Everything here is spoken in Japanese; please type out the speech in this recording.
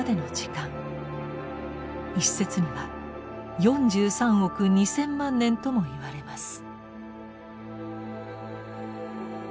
一説には４３億２，０００万年とも言われます。